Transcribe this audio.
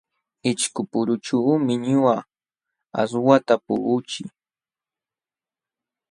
Ishkupurućhuumi ñuqaqa aswata puquchii.